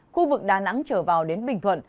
khu vực đà nẵng trở vào đến bình thuận